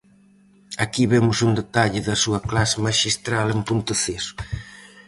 Aquí vemos un detalle da súa clase maxistral en Ponteceso: